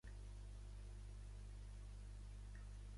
Granger és l'homònim de Granger Township, Ohio.